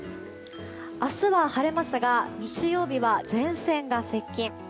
明日は晴れますが日曜日は前線が接近。